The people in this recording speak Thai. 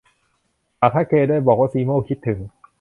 ฝากทักเคด้วย บอกว่าชีโม่คิดถึง